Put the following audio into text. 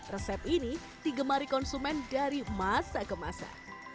resep ini digemari konsumen dari masa ke masa